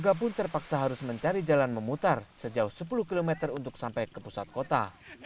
warga pun terpaksa harus mencari jalan memutar sejauh sepuluh km untuk sampai ke pusat kota